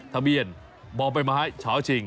ทะเบียนบบัยไม้ชาวชิง๗๑๖๗